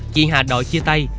chị hà đòi chia tay